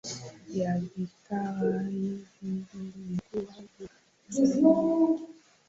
ya viraka hivi vilikuwa na ushahidi wa